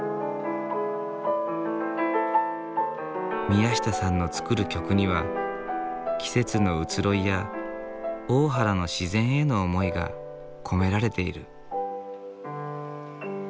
宮下さんの作る曲には季節の移ろいや大原の自然への思いが込められている。